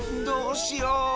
どうしよう。